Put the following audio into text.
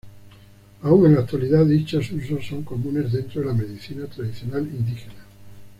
Aún en la actualidad dichos usos son comunes dentro de la medicina tradicional indígena.